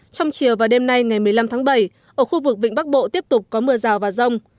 trong chiều và đêm nay ngày một mươi năm tháng bảy ở khu vực vịnh bắc bộ tiếp tục có mưa rào và rông